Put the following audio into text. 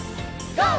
ＧＯ！